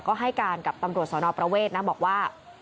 ก็ให้การกับตำรวจสนประเวทนะบอกว่า